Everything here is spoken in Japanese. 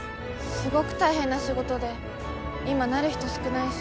すごぐ大変な仕事で今なる人少ないし。